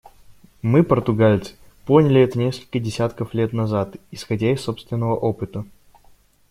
Мы, португальцы, поняли это несколько десятков лет назад, исходя из собственного опыта.